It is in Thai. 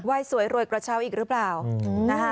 สวยรวยกระเช้าอีกหรือเปล่านะคะ